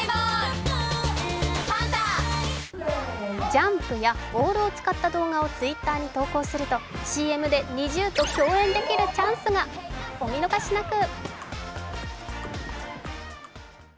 ジャンプやボールを使った動画をＴｗｉｔｔｅｒに投稿するとＣＭでＮｉｚｉＵと共演できるチャンスがお見逃しなく。